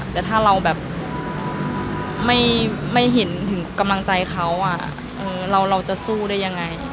แต่ถ้าเราแบบไม่เห็นถึงกำลังใจเขาเราจะสู้ได้ยังไง